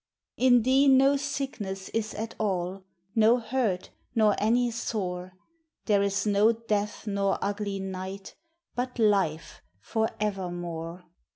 In thee no sickness is at all, No hurt, nor any sore; There is no death nor ugly night, But life for evermore.